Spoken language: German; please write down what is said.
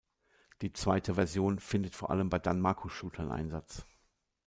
Die zweite Version findet vor allem bei Danmaku-Shootern Einsatz.